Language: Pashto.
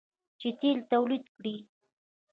چې تیل تولید کړي.